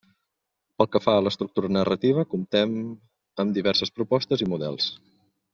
Pel que fa a l'estructura narrativa, comptem amb diverses propostes i models.